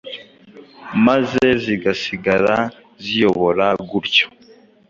maze zigasigara ziyobora gutyo